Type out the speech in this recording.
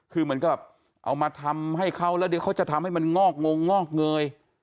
คือเหมือนกับเอามาทำให้เขาแล้วเดี๋ยวเขาจะทำให้มันงอกงงอกเงย